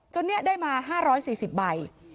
จนเนี่ยได้มา๕๔๐ใบ